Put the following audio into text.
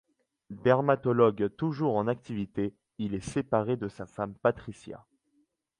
Dermatologue toujours en activité, il est séparé de sa femme Patricia.